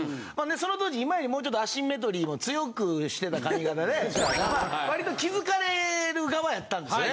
その当時今よりももうちょっとアシンメトリーも強くしてた髪型でわりと気づかれる側やったんですよね。